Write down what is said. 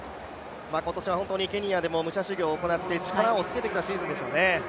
今年は本当にケニアでも武者修行を行って力をつけてきたシーズンでしたよね。